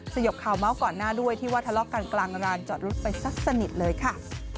สยบข่าวเมาส์ก่อนหน้าด้วยที่ว่าทะเลาะกันกลางร้านจอดรถไปสักสนิทเลยค่ะ